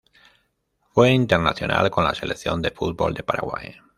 Fue internacional con la Selección de fútbol de Paraguay.